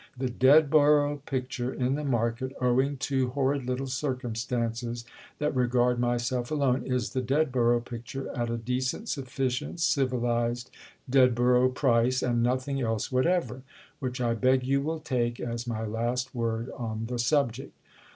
The Dedborough picture in the market—owing to horrid little circumstances that regard myself alone—is the Dedborough picture at a decent, sufficient, civilised Dedborough price, and nothing else whatever; which I beg you will take as my last word on the subject."